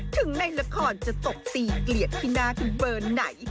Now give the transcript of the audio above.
ถึงในละครจะตบตีเกลียดที่หน้าคือเบอร์ไหน